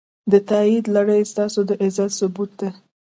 د تایید لړۍ ستاسو د عزم ثبوت دی.